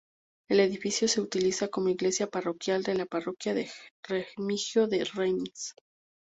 El edificio se utiliza como iglesia parroquial de la parroquia de Remigio de Reims.